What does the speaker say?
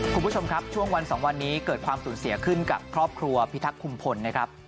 คุณผู้ชมครับช่วงวันสองวันนี้เกิดความสูญเสียขึ้นกับครอบครัวพิทักษุมพลนะครับ